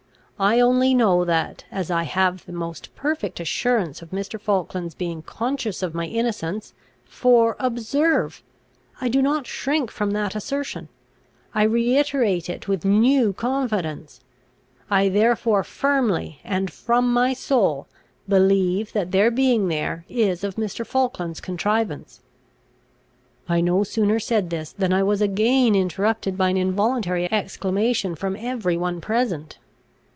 I only know that, as I have the most perfect assurance of Mr. Falkland's being conscious of my innocence for, observe! I do not shrink from that assertion; I reiterate it with new confidence I therefore firmly and from my soul believe, that their being there is of Mr. Falkland's contrivance." I no sooner said this, than I was again interrupted by an involuntary exclamation from every one present.